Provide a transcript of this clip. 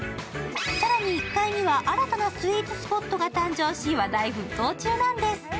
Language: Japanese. さらに１階には新たなスイーツスポットが誕生し話題沸騰中なんです。